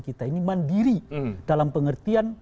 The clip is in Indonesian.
kita ini mandiri dalam pengertian